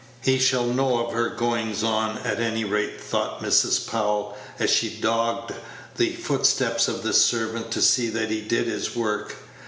"He shall know of her goings on, at any rate," thought Mrs. Powell, as she dogged the footsteps of the servant to see that he did his work.